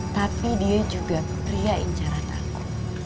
tapi dia juga pria incaran